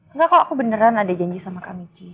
enggak kok aku beneran ada janji sama mbak michi